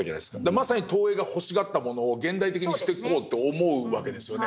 まさに東映が欲しがったものを現代的にしてこうって思うわけですよね。